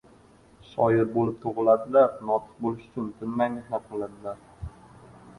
• Shoir bo‘lib tug‘iladilar, notiq bo‘lish uchun tinmay mehnat qiladilar.